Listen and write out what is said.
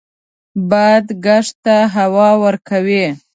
باد کښت ته هوا ورکوي